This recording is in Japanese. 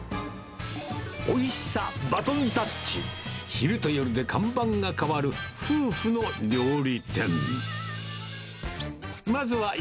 おいしさバトンタッチ、昼と夜で看板が変わる夫婦の料理店。